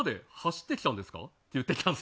って。